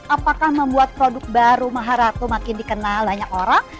apakah membuat produk baru maharatu makin dikenal banyak orang